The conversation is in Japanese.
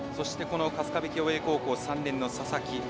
春日部共栄高校３年の佐々木。